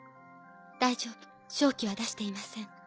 大丈夫瘴気は出していません。